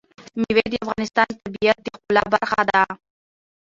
مېوې د افغانستان د طبیعت د ښکلا برخه ده.